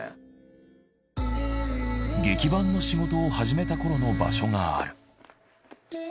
劇伴の仕事を始めたころの場所がある。